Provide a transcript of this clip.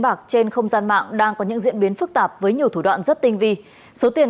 bạc trên không gian mạng đang có những diễn biến phức tạp với nhiều thủ đoạn rất tinh vi số tiền